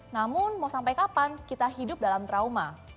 namun mau sampai kapan kita hidup dalam trauma